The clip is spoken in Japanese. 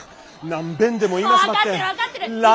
何べんでも言いますばってん蘭語。